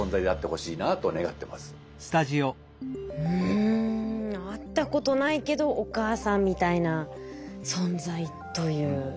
うん会ったことないけどお母さんみたいな存在という。